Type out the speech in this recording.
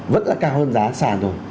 vẫn là cao hơn giá sàn rồi